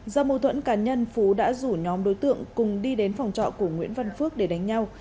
do mâu thuẫn cá nhân phú đã rủ nhóm đối tượng cùng đi đến phòng trọ của nguyễn văn phước để đánh nhau